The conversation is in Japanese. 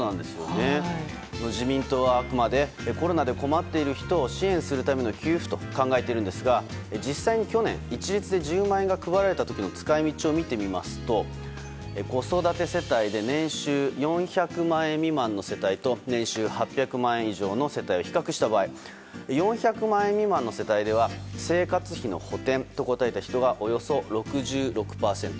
自民党はあくまでコロナで困っている人を支援するための給付と考えているんですが実際に去年、一律で１０万円が配られた時の使い道を見ると子育て世帯で年収４００万円未満の世帯と年収８００万円以上の世帯を比較した場合４００万円未満の世帯では生活費の補填と答えた人がおよそ６６％。